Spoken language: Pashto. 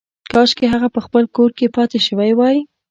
کاشکې هغه په خپل کور کې پاتې شوې وای